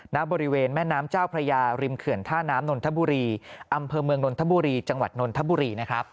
ณบริเวณแม่น้ำเจ้าพระยาริมเขื่อนท่าน้ำนนทบุรีอำเภอเมืองนนทบุรีจังหวัดนนทบุรีนะครับ